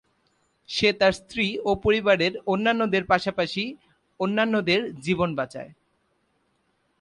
সে তার স্ত্রী ও পরিবারের অন্যান্যদের পাশাপাশি অন্যান্যদের জীবন বাঁচায়।